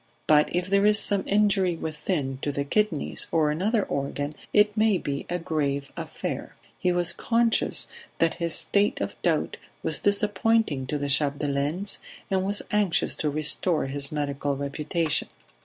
But if there is some injury within, to the kidneys or another organ, it may be a grave affair." He was conscious that his state of doubt was disappointing to the Chapdelaines, and was anxious to restore his medical reputation.